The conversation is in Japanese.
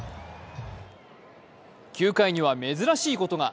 ９回には珍しいことが。